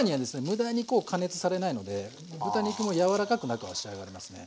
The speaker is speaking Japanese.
無駄にこう加熱されないので豚肉も柔らかく中は仕上がりますね。